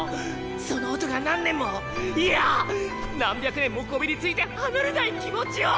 その音が何年もいや何百年もこびりついて離れない気持ちを。